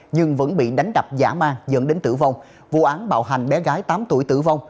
nhưng vẫn bị đánh đập giả mang dẫn đến tử vong vụ án bạo hành bé gái tám tuổi tử vong